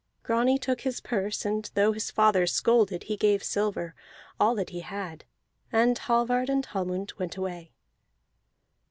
Grani took his purse; and though his father scolded he gave silver, all that he had, and Hallvard and Hallmund went away.